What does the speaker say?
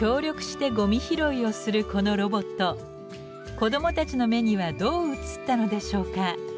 子どもたちの目にはどう映ったのでしょうか？